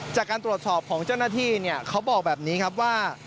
จากการตรวจสอบของเจ้าหน้าที่เขาบอกแบบนี้ครับว่า